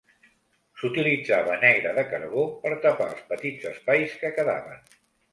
S'utilitzava negre de carbó per tapar els petits espais que quedaven.